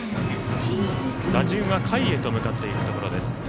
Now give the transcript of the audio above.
打順は下位へと向かっていくところです。